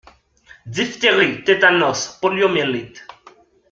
Diphtérie, tétanos, poliomyélite.